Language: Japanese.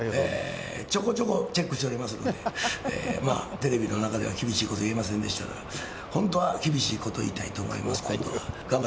ちょこちょこチェックしておりますので、テレビの中では厳しいこと言えませんでしたから、本当は厳しいこと言いたいと思います、今度は。